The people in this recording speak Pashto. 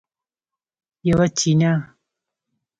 یوه چینه